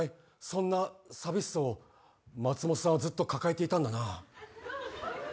そんな寂しさを松本さんはずっと抱えていたんだな。